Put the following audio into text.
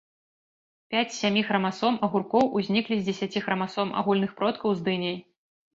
Пяць з сямі храмасом агуркоў узніклі з дзесяці храмасом агульных продкаў з дыняй.